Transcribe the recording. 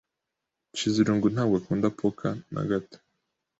Nshizirungu ntabwo akunda poker na gato.